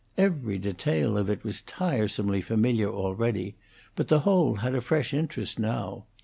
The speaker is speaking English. Every detail of it was tiresomely familiar already, but the whole had a fresh interest now.